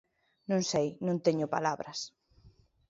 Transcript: Non sei, non teño palabras.